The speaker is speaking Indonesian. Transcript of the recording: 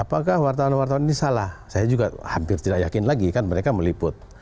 apakah wartawan wartawan ini salah saya juga hampir tidak yakin lagi kan mereka meliput